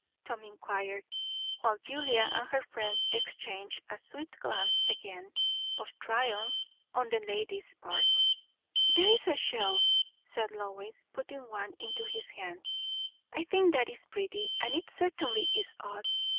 Tom inquired, while Julia and her friend exchanged a swift glance again, of triumph on the lady's part. "There is a shell," said Lois, putting one into his hand. "I think that is pretty, and it certainly is odd.